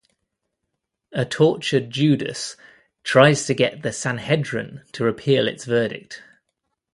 A tortured Judas tries to get the Sanhedrin to repeal its verdict.